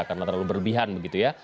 karena terlalu berlebihan begitu ya